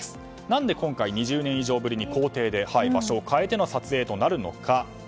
何で今回２０年以上ぶりに公邸で場所を変えての撮影となるのか。